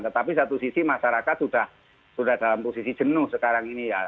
tetapi satu sisi masyarakat sudah dalam posisi jenuh sekarang ini ya